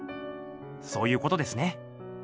そういうことですね。